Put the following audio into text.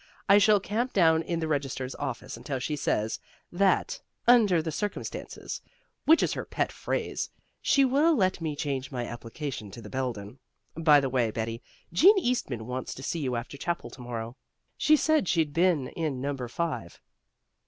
"I shall camp down in the registrar's office until she says that 'under the circumstances,' which is her pet phrase, she will let me change my application to the Belden. By the way, Betty, Jean Eastman wants to see you after chapel to morrow. She said she'd be in number five."